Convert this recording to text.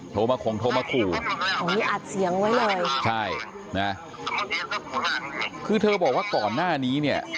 โทรมาคงโทรมาขู่อย่างนี้อัดเสียงไว้เลยใช่นะคือเธอบอกว่าก่อนหน้านี้เนี่ย